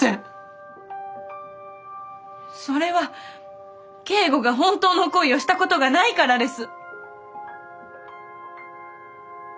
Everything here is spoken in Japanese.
それは京吾が本当の恋をしたことがないからです。